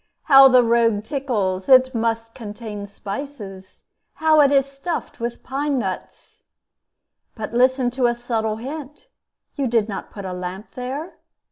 How the rogue tickles! It must contain spices. How it is stuffed with pine nuts! But listen to a subtle hint. You did not put a lamp there?